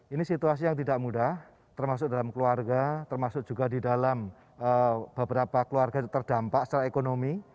ini situasi yang tidak mudah termasuk dalam keluarga termasuk juga di dalam beberapa keluarga terdampak secara ekonomi